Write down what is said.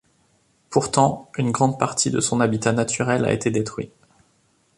Pourtant, une grande partie de son habitat naturel a été détruit.